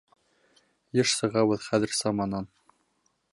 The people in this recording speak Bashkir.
Йыш сығабыҙ хәҙер саманан.